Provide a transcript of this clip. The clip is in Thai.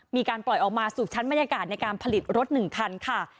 มีการปล่อยออกมาสู่ชั้นบรรยากาศในการผลิตรถ๑คันค่ะ